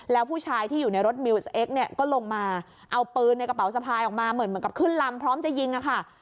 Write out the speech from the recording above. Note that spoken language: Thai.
แล้วผู้ชายที่อยู่ในรถมิวสเอ็กซเนี่ยก็ลงมาเอาปืนในกระเป๋าสะพายออกมาเหมือนเหมือนกับขึ้นลำพร้อมจะยิงอะค่ะ